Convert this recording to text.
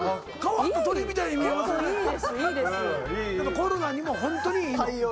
コロナにもホントにいい。